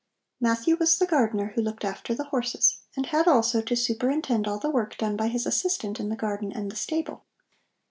Matthew was the gardener who looked after the horses, and had also to superintend all the work done by his assistant in the garden and the stable.